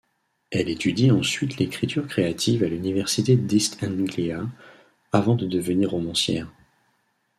Elle étudie ensuite l'écriture créative à l'université d'East Anglia avant de devenir romancière.